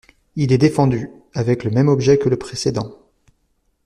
Il est défendu, avec le même objet que le précédent.